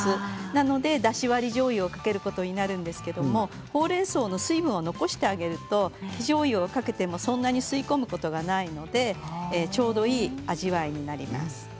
なので、だし割りじょうゆをかけることになるんですけれどほうれんそうの水分を残してあげると生じょうゆをかけてもそんなに吸い込むことがないのでちょうどいい味わいになります。